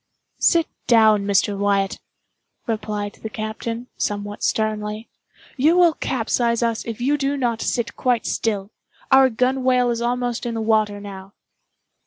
"Sit down, Mr. Wyatt," replied the captain, somewhat sternly, "you will capsize us if you do not sit quite still. Our gunwhale is almost in the water now."